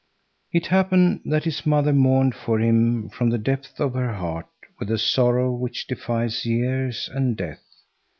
It happened that his mother mourned for him from the depths of her heart with a sorrow which defies years and death.